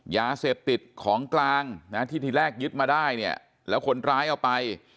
ยาเสพติดของกลางนะที่ทีแรกยึดมาได้เนี่ยแล้วคนร้ายเอาไป